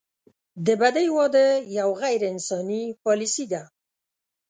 د بدۍ واده یوه غیر انساني پالیسي ده.